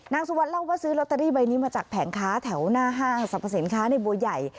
นางสุวรรณเล่าว่าซื้อลอตเตอรี่ใบนี้มาจากแผงค้าแถวหน้าห้างสรรพสินค้าในบัวใหญ่